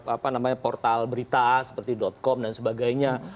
apa namanya portal berita seperti com dan sebagainya